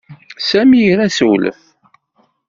Sami ira assewlef.